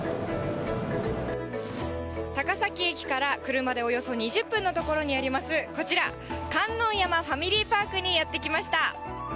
高崎駅から車でおよそ２０分の所にあります、こちら、観音山ファミリーパークにやって来ました。